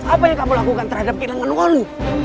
apa yang kamu lakukan terhadap kehilangan uang